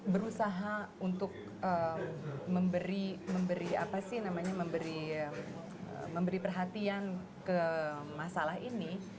berusaha untuk memberi perhatian ke masalah ini